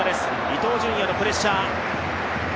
伊東純也のプレッシャー。